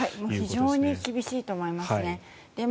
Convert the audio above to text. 非常に厳しいと思いますね。